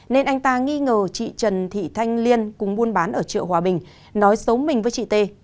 nên anh ta nghi ngờ chị trần thị thanh liên cùng buôn bán ở chợ hòa bình nói xấu mình với chị t